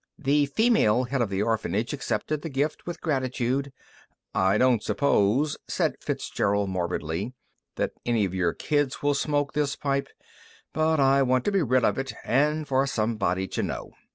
The female head of the orphanage accepted the gift with gratitude. "I don't suppose," said Fitzgerald morbidly, "that any of your kids will smoke this pipe, but I want to be rid of it and for somebody to know."